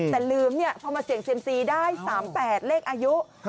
แต่ลืมเนี่ยพอมาเสี่ยงเซียมซีได้๓๘เลขอายุ